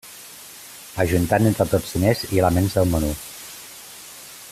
Ajuntant entre tots diners i elements del menú.